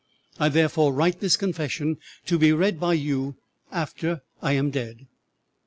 I therefore write this confession, to be read by you after I am dead.